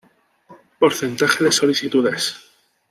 Porcentaje de solicitudes.